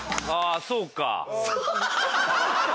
ああそうか。